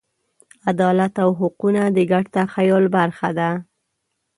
عدالت او حقونه د ګډ تخیل برخه ده.